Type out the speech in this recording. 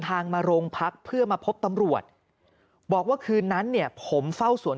มาโรงพักเพื่อมาพบตำรวจบอกว่าคืนนั้นเนี่ยผมเฝ้าสวน